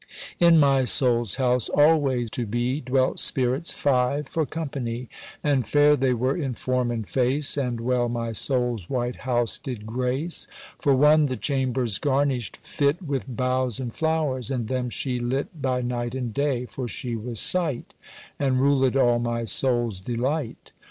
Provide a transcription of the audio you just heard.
In my soul's house, alway to be, Dwelt spirits five for company, And fair they were in form and face, And well my soul's white house did grace: For one the chambers garnished fit With boughs and flowers, and them she lit By night and day, for she was Sight And rulèd all my soul's delight.